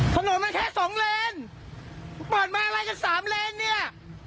ถนนมันแค่สองเลนเปิดมาอะไรกันสามเลนเนี่ย